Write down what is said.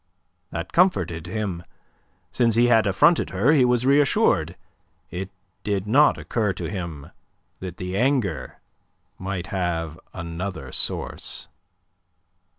That comforted him; since he had affronted her, he was reassured. It did not occur to him that the anger might have another source.